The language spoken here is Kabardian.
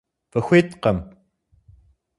Фыхуиткъым!